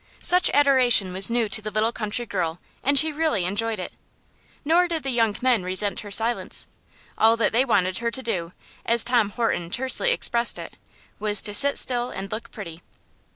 Such adoration was new to the little country girl, and she really enjoyed it. Nor did the young men resent her silence. All that they wanted her to do, as Tom Horton tersely expressed it, was to "sit still and look pretty."